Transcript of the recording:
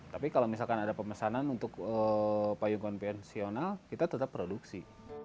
tapi kalau misalkan ada pemesanan untuk payung konvensional kita tetap produksi